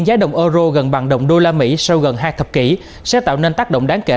giá đồng euro gần bằng đồng đô la mỹ sau gần hai thập kỷ sẽ tạo nên tác động đáng kể